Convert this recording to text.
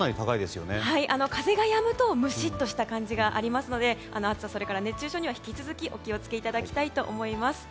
風がやむとムシッとした感じがありますので暑さ、それから熱中症には引き続きお気を付けいただきたいと思います。